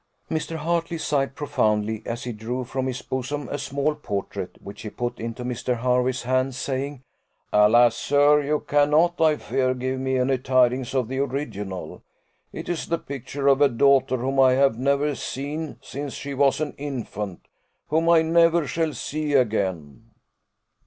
Mr. Hartley sighed profoundly as he drew from his bosom a small portrait, which he put into Mr. Hervey's hands, saying, "Alas! sir, you cannot, I fear, give me any tidings of the original; it is the picture of a daughter, whom I have never seen since she was an infant whom I never shall see again."